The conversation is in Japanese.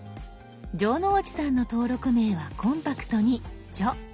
城之内さんの登録名はコンパクトに「じょ」。